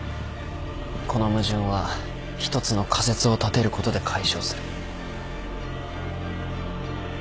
この矛盾は１つの仮説を立てることで解消する。